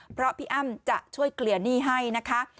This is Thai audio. เพราะพี่อ้ำจะช่วยเคลียร์หนี้ให้นะคะ